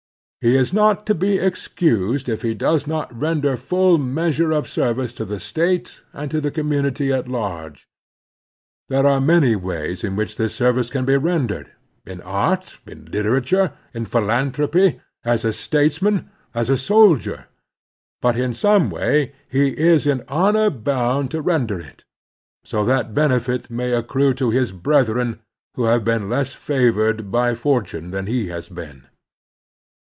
He is not to be excused if he does not render full measure of service to the State and to the commtmity at large. There are many ways in which this service can be ren dered, — in art, in literattire, in philanthropy, as a statesman, as a soldier, — but in some way he is in honor boimd to render it, so that benefit may accrue to his brethren who have been less favored by fortime than he has been.